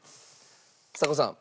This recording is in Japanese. ちさ子さん。